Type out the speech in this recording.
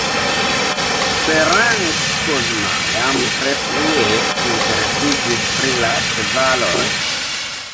Ferenc Kozma jam tre frue interesiĝis pri la ĉevaloj.